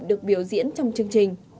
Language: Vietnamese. được biểu diễn trong chương trình